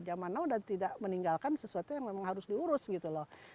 zaman now sudah tidak meninggalkan sesuatu yang memang harus diurus gitu loh